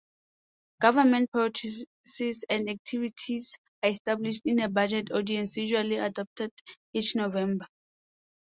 Government priorities and activities are established in a budget ordinance usually adopted each November.